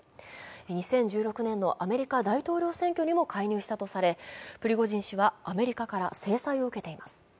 ２０１６年のアメリカ大統領選挙にも介入したとされ、プリゴジン氏はアメリカら制裁を受けています。